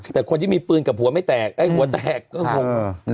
แต่คนที่มีปืนกับหัวไม่แตกไอ้หัวแตกก็งง